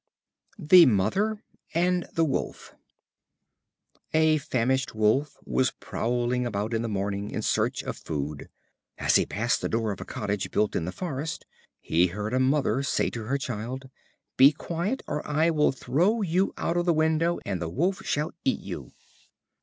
The Mother and the Wolf. A famished Wolf was prowling about in the morning in search of food. As he passed the door of a cottage built in the forest, he heard a mother say to her child: "Be quiet, or I will throw you out of the window, and the Wolf shall eat you."